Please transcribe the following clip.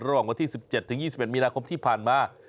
ระหว่างวันที่๑๗ถึง๒๑มีนาคมที่ผ่านมา